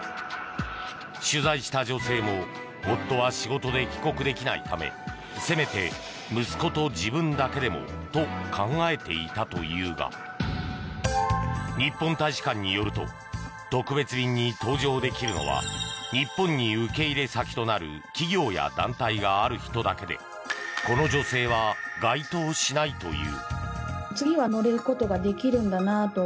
取材した女性も夫は仕事で帰国できないためせめて息子と自分だけでもと考えていたというが日本大使館によると特別便に搭乗できるのは日本に受け入れ先となる企業や団体がある人だけでこの女性は該当しないという。